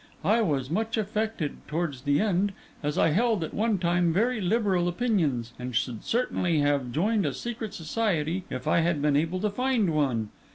I was much affected towards the end, as I held at one time very liberal opinions, and should certainly have joined a secret society if I had been able to find one.